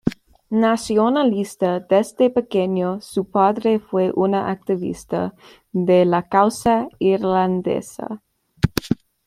Nacionalista desde pequeño, su padre fue un activista de la causa irlandesa.